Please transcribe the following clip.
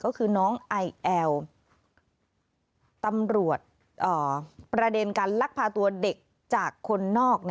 ก็คือน้องไอแอลตำรวจประเด็นการลักพาตัวเด็กจากคนนอก